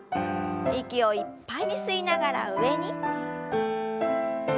息をいっぱいに吸いながら上に。